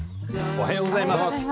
おはようございます。